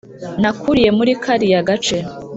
nakuriye muri kariya gace.